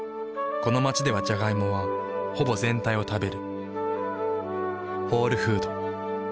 この街ではジャガイモはほぼ全体を食べる。